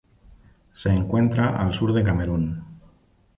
Se encuentra al sur de Camerún.